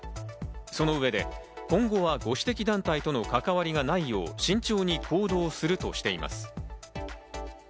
その上で今後はご指摘団体との関わりがないよう慎重に行動するとしています。